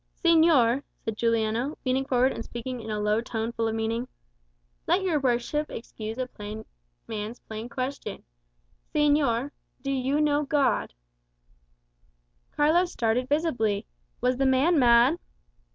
"Señor," said Juliano, leaning forward and speaking in a low tone full of meaning. "Let your worship excuse a plain man's plain question Señor, do you know God?" Carlos started visibly. Was the man mad?